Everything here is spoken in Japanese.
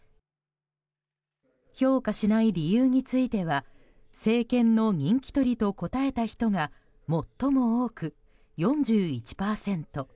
評価しない理由については政権の人気取りと答えた人が最も多く４１％。